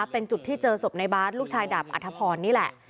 เป็นจุดที่เจอศพในบาทลูกชายดาบอัธพรนี่แหละ